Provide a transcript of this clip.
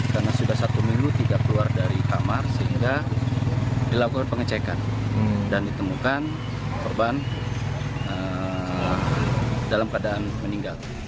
karena sudah satu minggu tidak keluar dari kamar sehingga dilakukan pengecekan dan ditemukan perban dalam keadaan meninggal